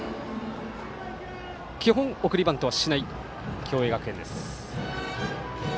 基本、送りバントはしない共栄学園です。